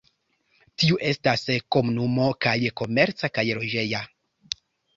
Tiu estas komunumo kaj komerca kaj loĝeja.